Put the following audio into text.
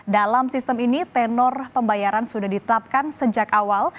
dalam sistem ini tenor pembayaran sudah ditetapkan sejak awal